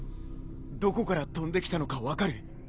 どこから飛んできたのか分かる？